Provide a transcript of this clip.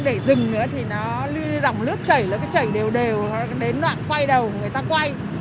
còn cứ để cho nó chảy như ngày xưa cái dòng nước chảy như ngày xưa nó cứ theo cái vòng chuyến nó chảy đến loạn quay đầu nó lại quay